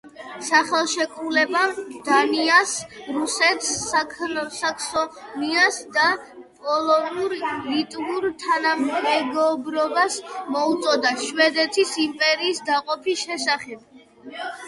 ხელშეკრულებამ დანიას, რუსეთს, საქსონიას და პოლონურ-ლიტვურ თანამეგობრობას მოუწოდა შვედეთის იმპერიის დაყოფის შესახებ.